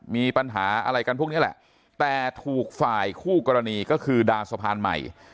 มีปัญหาอะไรกันพวกนี้แหละแต่ถูกฝ่ายคู่กรณีก็คือดาสะพานใหม่